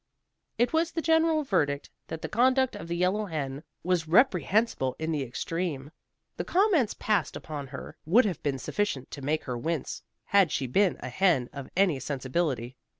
It was the general verdict that the conduct of the yellow hen was reprehensible in the extreme. The comments passed upon her would have been sufficient to make her wince, had she been a hen of any sensibility.